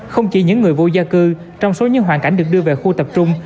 không chỉ những người vô gia cư trong số những hoàn cảnh được đưa về khu tập trung